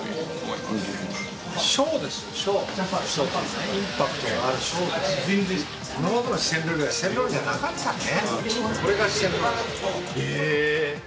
今までの四川料理は四川料理じゃなかったね。